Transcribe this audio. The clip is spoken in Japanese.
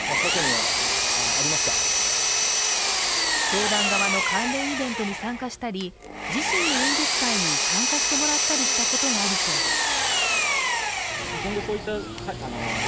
教団側の関連イベントに参加したり自身の演説会に参加してもらったりしたことがあるそうです。